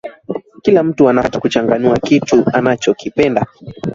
kila mtu ana haki ya kuchagua kitu anachokipenda